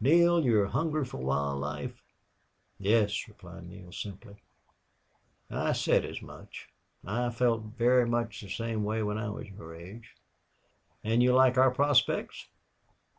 "Neale, you're hungry for wild life?" "Yes," replied Neale, simply. "I said as much. I felt very much the same way when I was your age. And you like our prospects?...